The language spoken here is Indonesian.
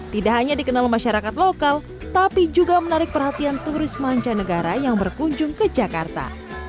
tidak hanya dikenal masyarakat lokal tapi juga menarik perhatian turis mancanegara yang berkunjung ke jakarta